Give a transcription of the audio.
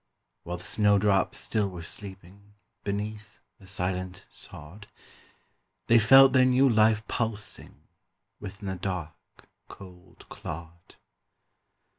While the snow drops still were sleeping Beneath the silent sod; They felt their new life pulsing Within the dark, cold clod.